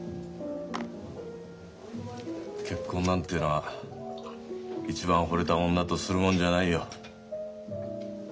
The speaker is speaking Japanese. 結婚なんてのは一番ほれた女とするもんじゃないよ。